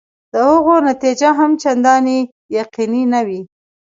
د هغو نتیجه هم چنداني یقیني نه وي.